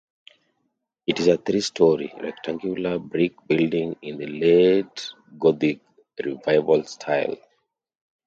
It is a three-story, rectangular brick building in the Late Gothic Revival style.